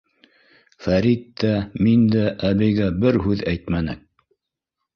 Фәрит тә, мин дә әбейгә бер һүҙ әйтмәнек.